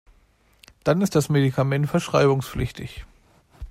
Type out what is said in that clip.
Dann ist das Medikament verschreibungspflichtig.